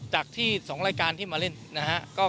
จากที่๒รายการที่มาเล่นนะฮะ